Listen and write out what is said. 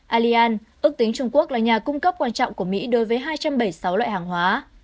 allian ước tính trung quốc là nhà cung cấp quan trọng của mỹ đối với hai trăm bảy mươi sáu loại hàng hóa